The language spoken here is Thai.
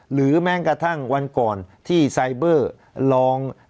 หรือแม้กระทั่งวันก่อนที่ไซเบอร์ลอง